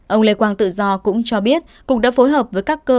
ông lê quang tự do cũng cho biết cục đã phối hợp với các cơ quan